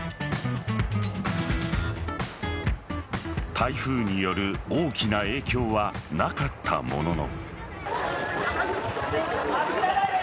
台風による大きな影響はなかったものの。